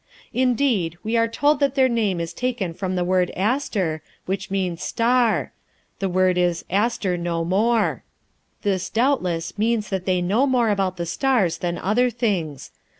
Indeed, we are told that their name is taken from the word aster, which means "star;" the word is "aster know more." This, doubtless, means that they know more about the stars than other things.